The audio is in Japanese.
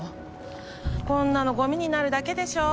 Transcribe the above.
こんなのごみになるだけでしょ。